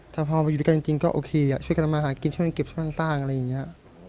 ถ้าพอมาอยู่ด้วยกันจริงก็โอเคช่วยกันทำมาหากินช่วยกันเก็บสร้างอะไรอย่างนี้